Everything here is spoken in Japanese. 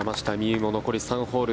有も残り３ホール。